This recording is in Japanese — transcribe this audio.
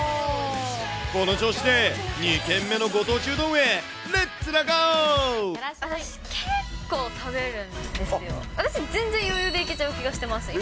この調子で２軒目のご当地うどんへ、私、結構食べるんですよ。